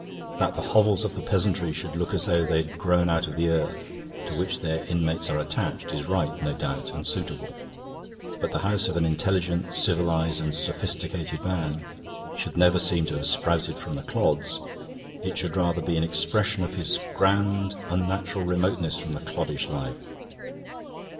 That the hovels of the peasantry should look as though they had grown out of the earth, to which their inmates are attached, is right, no doubt, and suitable. But the house of an intelligent, civilised, and sophisticated man should never seem to have sprouted from the clods. It should rather be an expression of his grand unnatural remoteness from the cloddish life.